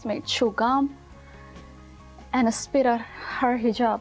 hanya karena kerjaan hijab